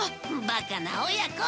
バカな親子